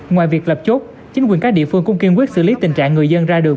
ngoài việc lập chốt chính quyền các địa phương cũng kiên quyết xử lý tình trạng người dân ra đường